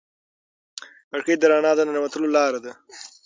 کړکۍ د رڼا د ننوتلو لار ده.